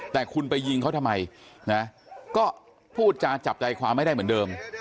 แต่คุณไปยิงเขาทำไมนะก็พูดจาจับใจความไม่ได้เหมือนเดิม